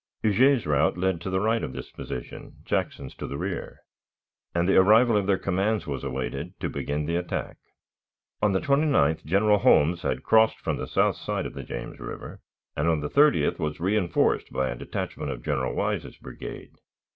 Huger's route led to the right of this position, Jackson's to the rear, and the arrival of their commands was awaited, to begin the attack. On the 29th General Holmes had crossed from the south side of the James River, and, on the 30th, was reënforced by a detachment of General Wise's brigade.